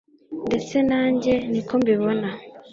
ndetse nanjye ni ko mbibona